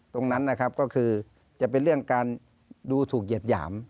ตรงนั้นนะครับก็คือจะเป็นเรื่องการดูถูกเหยียดหยาม